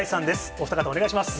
お二方お願いします。